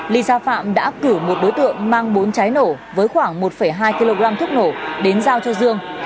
lisa phạm đã cử một đối tượng mang bốn trái nổ với khoảng một hai kg thức nổ đến giao cho dương